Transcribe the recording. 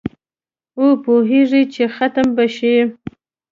او پوهیږي چي ختم به شي